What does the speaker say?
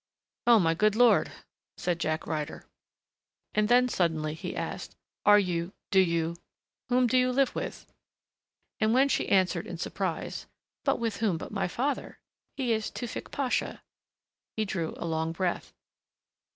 "Oh, my good Lord," said Jack Ryder. And then suddenly he asked, "Are you do you whom do you live with?" And when she answered in surprise, "But with whom but my father he is Tewfick Pasha," he drew a long breath.